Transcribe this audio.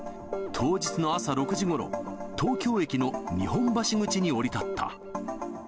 当日の朝６時ごろ、東京駅の日本橋口に降り立った。